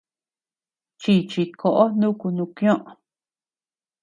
Chichi koʼo nuku nukñoʼö.